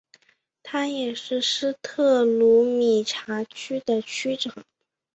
他也是斯特鲁米察区的区长。